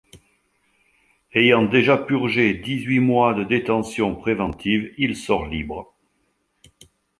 Ayant déjà purgé dix-huit mois de détention préventive, il sort libre.